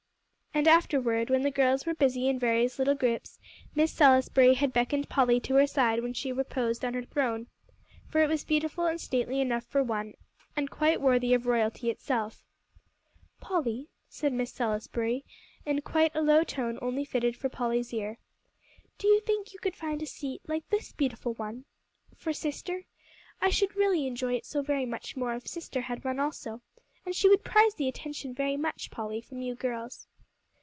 And afterward, when the girls were busy in various little groups, Miss Salisbury had beckoned Polly to her side where she reposed on her throne; for it was beautiful and stately enough for one, and quite worthy of royalty itself. "Polly," said Miss Salisbury, in quite a low tone only fitted for Polly's ear, "do you think you could find a seat, like this beautiful one of mine, for sister? I should really enjoy it so very much more if sister had one also and she would prize the attention very much, Polly, from you girls."